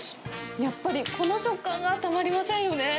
やっぱりこの食感がたまりませんよね。